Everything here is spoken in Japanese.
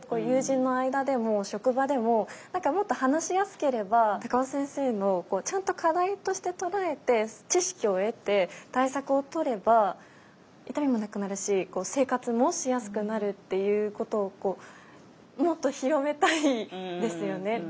友人の間でも職場でも何かもっと話しやすければ高尾先生のちゃんと課題として捉えて知識を得て対策をとれば痛みもなくなるし生活もしやすくなるっていうことをもっと広めたいですよね。